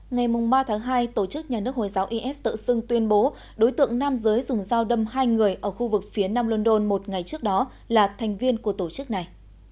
ngày ba tháng hai tổ chức nhà nước hồi giáo is tự xưng tuyên bố đối tượng nam giới dùng dao đâm hai người ở khu vực phía nam london một ngày trước đó là thành viên của tổ chức này